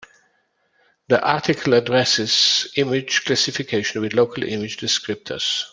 The article addresses image classification with local image descriptors.